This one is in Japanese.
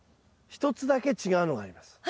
１つだけ違うのがあります。